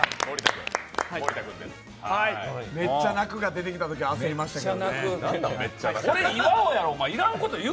めっちゃ泣くが出てきたとき焦りましたけど。